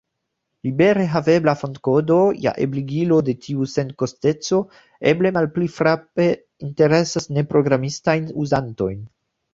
Libere havebla fontkodo, ja ebligilo de tiu senkosteco, eble malpli frape interesas neprogramistajn uzantojn.